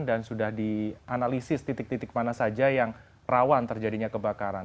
dan sudah dianalisis titik titik mana saja yang rawan terjadinya kebakaran